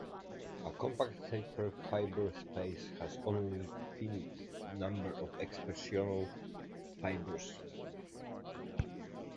A compact Seifert fiber space has only a finite number of exceptional fibers.